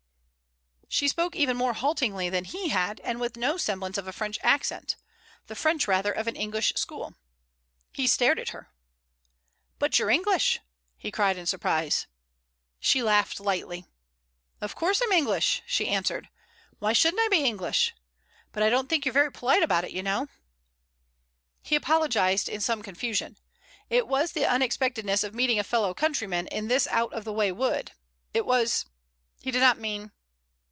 She spoke even more haltingly than he had, and with no semblance of a French accent—the French rather of an English school. He stared at her. "But you're English!" he cried in surprise. She laughed lightly. "Of course I'm English," she answered. "Why shouldn't I be English? But I don't think you're very polite about it, you know." He apologized in some confusion. It was the unexpectedness of meeting a fellow countryman in this out of the way wood... It was... He did not mean....